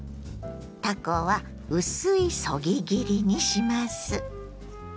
たこは薄いそぎ切りにします。